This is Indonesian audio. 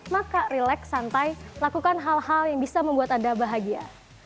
maka relax santai lakukan hal hal yang bisa membuat anda bahagia